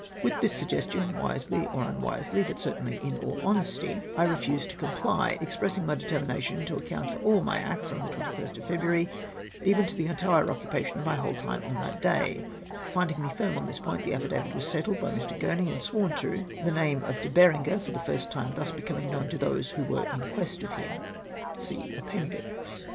With this suggestion, wisely or unwisely — but certainly in all honesty, I refused to comply, expressing my determination to account /oi' all my acts on the 21st of February, even to the entire occupation of my whole time on tliat day. Finding me firm on this point, the affidavit was settled by Mr. Gurney, and sworn to, the name of De Berenger for the first time thus becoming known to those who were in quest of liim. (See Appendix.) 334 I RETURN TO TOWN' IX CONSEQUENCE.